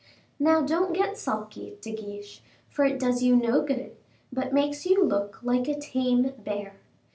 Now don't get sulky, De Guiche, for it does you no good, but makes you look like a tame bear.